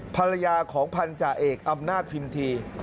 ภรรยาของพันธาเอกอำนาจพิมพี